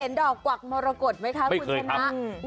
เห็นดอกกวักมรกฎไหมคะคุณชนะไม่เคยครับ